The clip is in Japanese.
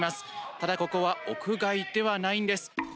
ただ、ここは屋外ではないんです。